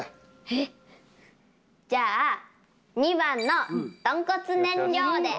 えじゃあ２番のとんこつ燃料で！